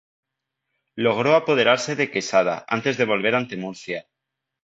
Logró apoderarse de Quesada antes de volver ante Murcia.